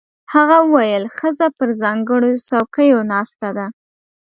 هغه وویل ښځه پر ځانګړو څوکیو ناسته ده.